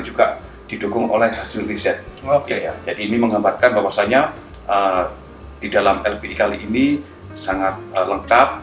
juga didukung oleh hasil riset jadi ini menggambarkan bahwasannya di dalam lpd kali ini sangat lengkap